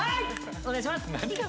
お願いします